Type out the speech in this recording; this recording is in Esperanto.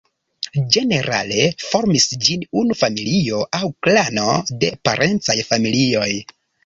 Ĝenerale formis ĝin unu familio aŭ klano de parencaj familioj.